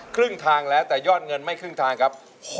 ครึ่งทางแล้วแต่ยอดเงินไม่ครึ่งทางครับ